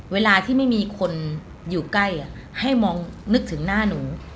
เวลาที่ไม่มีคนอยู่ใกล้ให้มองนึกถึงหน้าหนู